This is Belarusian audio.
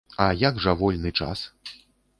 А як жа вольны час?